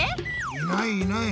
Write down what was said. いないいない。